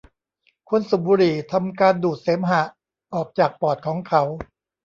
คนสูบบุหรี่ทำการดูดเสมหะออกจากปอดของเขา